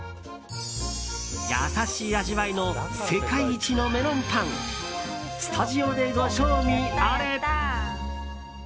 優しい味わいの世界一のメロンパンスタジオでご賞味あれ！